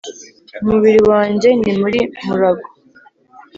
umubiri wanjye ni muri murago